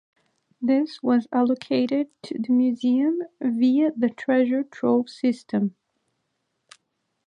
This was allocated to the Museum via the Treasure Trove system.